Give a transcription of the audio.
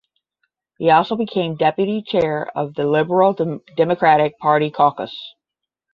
He also became deputy chair of the Liberal Democratic Party caucus.